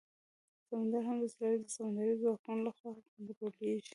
سمندر هم د اسرائیلو د سمندري ځواکونو لخوا کنټرولېږي.